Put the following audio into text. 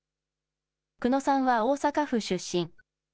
久野さんは大阪府出身。